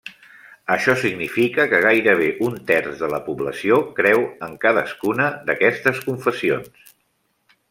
Això significa que gairebé un terç de la població creu en cadascuna d'aquestes confessions.